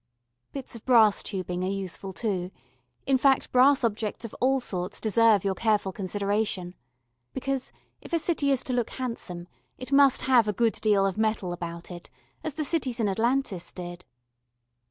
Bits of brass tubing are useful too in fact, brass objects of all sorts deserve your careful consideration. Because, if a city is to look handsome, it must have a good deal of metal about it, as the cities in Atlantis did.